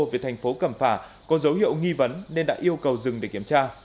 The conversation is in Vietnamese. về thành phố cẩm phả có dấu hiệu nghi vấn nên đã yêu cầu dừng để kiểm tra